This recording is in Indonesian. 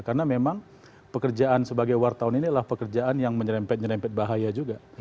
karena memang pekerjaan sebagai wartawan ini adalah pekerjaan yang menyerempet nyerempet bahaya juga